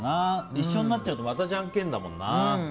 一緒になっちゃうとまた、じゃんけんだもんな。